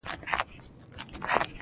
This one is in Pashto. هغوی هغه ډبولی کړ.